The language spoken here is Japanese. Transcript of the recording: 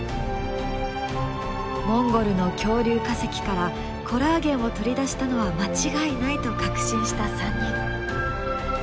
モンゴルの恐竜化石からコラーゲンを取り出したのは間違いないと確信した３人。